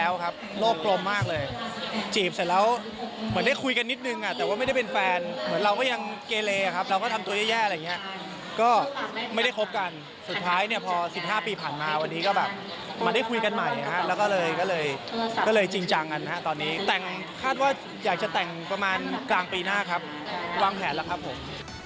วางแผนแล้วครับผม